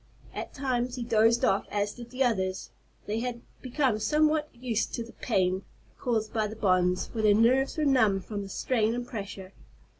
At times he dozed off, as did the others. They had become somewhat used to the pain caused by the bonds, for their nerves were numb from the strain and pressure.